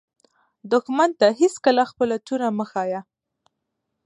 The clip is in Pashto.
دښمن ته هېڅکله خپله توره مه ښایه